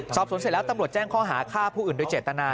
สอบสวนเสร็จแล้วตำรวจแจ้งข้อหาฆ่าผู้อื่นโดยเจตนา